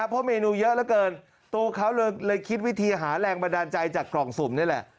เพราะเมนูเยอะเหลือเกินตัวเขาเลยคิดวิธีหาแรงบันดาลใจจากกล่องสุ่มนี่แหละ